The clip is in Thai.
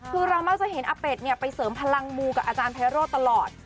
คือเรามักจะเห็นอาเป็ดเนี่ยไปเสริมพลังมูกับอาจารย์ไพโรธตลอด